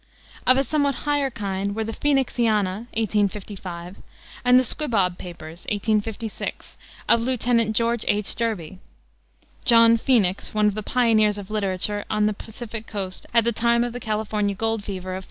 Of a somewhat higher kind were the Phoenixiana, 1855, and Squibob Papers, 1856, of Lieutenant George H. Derby, "John Phoenix," one of the pioneers of literature on the Pacific coast at the time of the California gold fever of '49.